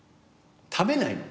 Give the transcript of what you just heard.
食べないの！？